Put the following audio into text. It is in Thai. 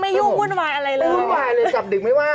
ยุ่งวุ่นวายอะไรเลยวุ่นวายเลยกลับดึกไม่ว่า